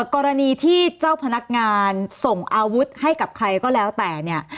กรณีที่เจ้าพนักงานส่งอาวุธให้กับใครก็แล้วแต่เนี่ย